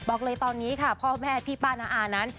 บอกเลยตอนนี้ค่ะพ่อแม่พี่ป้าน้าอานั้น